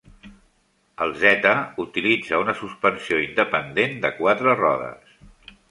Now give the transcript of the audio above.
El Theta utilitza una suspensió independent de quatre rodes.